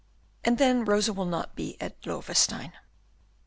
And then Rosa will not be at Loewestein!"